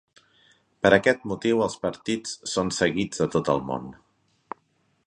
Per aquest motiu, els partits són seguits a tot el món.